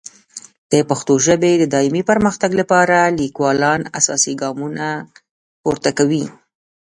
د پښتو ژبې د دایمي پرمختګ لپاره لیکوالان اساسي ګامونه نه پورته کوي.